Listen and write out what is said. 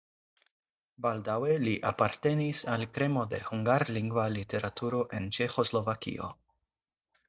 Baldaŭe li apartenis al kremo de hungarlingva literaturo en Ĉeĥoslovakio.